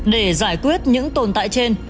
để giải quyết những tồn tại trên